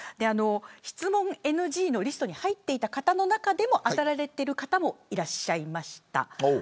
質問ＮＧリストに入っていた方の中でも当てられている方もいらっしゃいました。